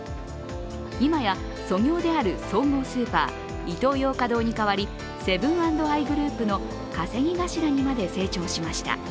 今や祖業である総合スーパー、イトーヨーカ堂にかわりセブン＆アイグループの稼ぎ頭にまで成長しました。